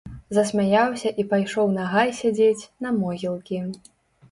Засмяяўся і пайшоў на гай сядзець, на могілкі.